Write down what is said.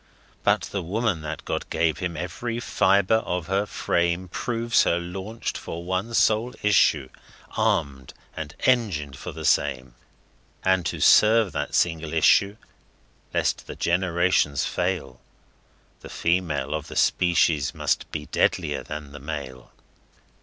But the Woman that God gave him, every fibre of her frame Proves her launched for one sole issue, armed and engined for the same, And to serve that single issue, lest the generations fail, The female of the species must be deadlier than the male.